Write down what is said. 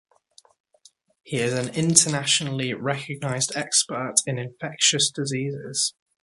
He is an internationally recognized expert in infectious diseases.